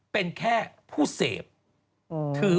หน้าอินโนเซนต์อยู่